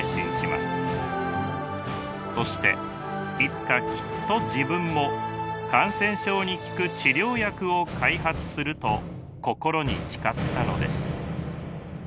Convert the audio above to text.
そしていつかきっと自分も感染症に効く治療薬を開発すると心に誓ったのです。